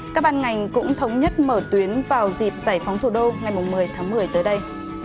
các ban ngành cũng thống nhất mở tuyến vào dịp giải phóng thủ đô ngày một mươi tháng một mươi tới đây